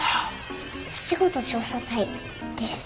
お仕事調査隊です。